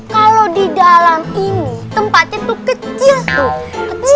kalau di dalam ini tempatnya tuh kecil tuh